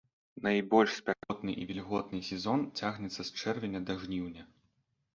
Найбольш спякотны і вільготны сезон цягнецца з чэрвеня да жніўня.